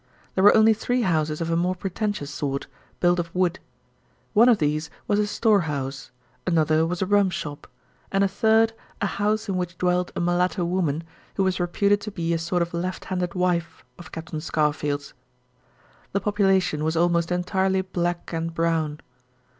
There were only three houses of a more pretentious sort, built of wood. One of these was a storehouse, another was a rum shop, and a third a house in which dwelt a mulatto woman, who was reputed to be a sort of left handed wife of Captain Scarfield's. The population was almost entirely black and brown.